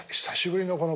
久しぶりの